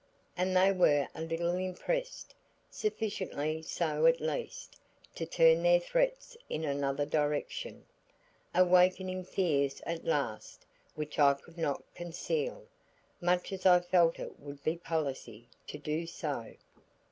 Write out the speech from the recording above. And they were a little impressed, sufficiently so at least to turn their threats in another direction, awakening fears at last which I could not conceal, much as I felt it would be policy to do so.